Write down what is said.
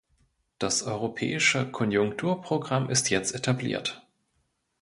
Das Europäische Konjunkturprogramm ist jetzt etabliert.